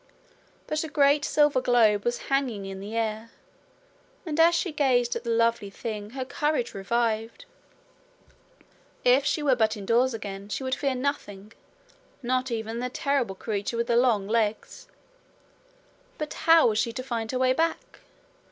But a great silver globe was hanging in the air; and as she gazed at the lovely thing, her courage revived. If she were but indoors again, she would fear nothing, not even the terrible creature with the long legs! But how was she to find her way back?